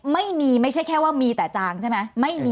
ไม่ใช่แค่ว่ามีแต่จางใช่ไหม